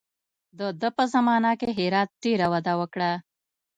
د ده په زمانه کې هرات ډېره وده وکړه.